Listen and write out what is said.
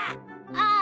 ああ。